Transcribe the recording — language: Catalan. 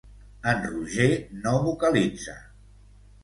En Roger no vocalitza!